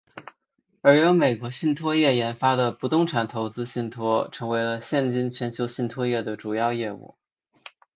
而由美国信托业研发的不动产投资信托成为了现今全球信托业的主要业务。